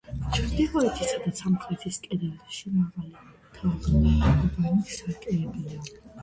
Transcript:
ჩრდილოეთისა და სამხრეთის კედელში მაღალი თაღოვანი სარკმლებია.